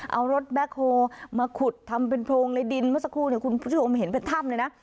เอารถแบ็คโฮมาขุดทำเป็นโพรงในดินเมื่อสักครู่เนี่ยคุณผู้ชมเห็นเป็นถ้ำเลยนะ